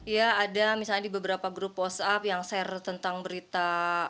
ya ada misalnya di beberapa grup whatsapp yang share tentang berita